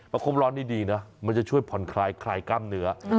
คมร้อนนี่ดีนะมันจะช่วยผ่อนคลายกล้ามเนื้อ